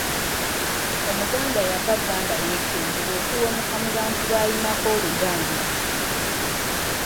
Omuganda yava dda nga yeekengera okuwemuka mu bantu b’alinako oluganda.